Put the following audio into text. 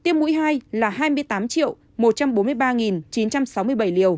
tiêm mũi hai là hai mươi tám một trăm bốn mươi ba chín trăm sáu mươi bảy liều vaccine phòng covid một mươi chín được tiêm